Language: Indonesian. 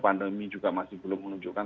pandemi juga masih belum menunjukkan